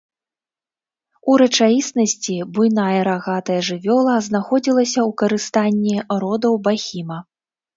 У рэчаіснасці, буйная рагатая жывёла знаходзілася ў карыстанні родаў бахіма.